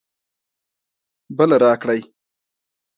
بله راکړئ